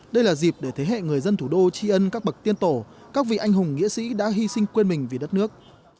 đây là dịp để thế hệ người dân thủ đô tri ân các bậc tiên tổ các vị anh hùng nghĩa sĩ đã hy sinh quên mình vì đất nước